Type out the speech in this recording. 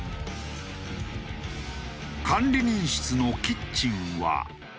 管理人室のキッチンは。